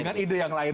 dengan ide yang lain